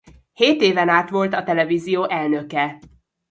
Hét éven át volt a televízió elnöke.